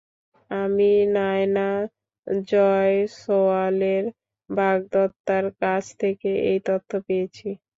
আমি নায়না জয়সওয়ালের বাগদত্তার কাছ থেকে এই তথ্য পেয়েছি।